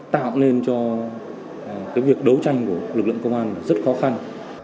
tạo nên cho cái việc đấu tranh của lực lượng công an rất khó khăn